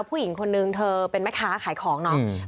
ผู้หญิงคนนึงเธอเป็นแม่ค้าขายของเนาะ